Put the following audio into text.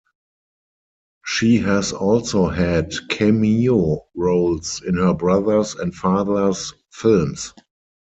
She has also had cameo roles in her brothers' and father's films.